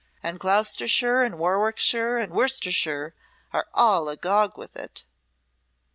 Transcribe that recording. And Gloucestershire and Warwickshire and Worcestershire are all agog with it!"